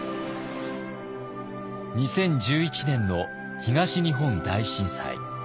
２０１１年の東日本大震災。